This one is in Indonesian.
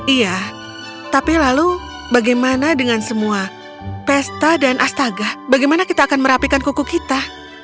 iya tapi lalu bagaimana dengan semua pesta dan astaga bagaimana kita akan merapikan kuku kita